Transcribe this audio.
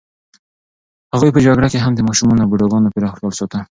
هغوی په جګړو کې هم د ماشومانو او بوډاګانو پوره خیال ساته.